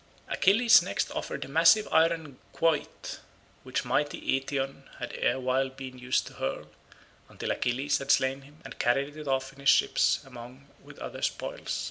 Achilles next offered the massive iron quoit which mighty Eetion had erewhile been used to hurl, until Achilles had slain him and carried it off in his ships along with other spoils.